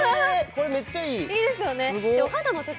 これめっちゃいいすごっ！